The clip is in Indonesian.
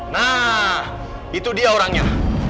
nah itu dia orangnya